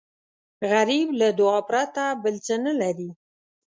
غریب له دعا پرته بل څه نه لري